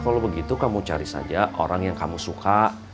kalau begitu kamu cari saja orang yang kamu suka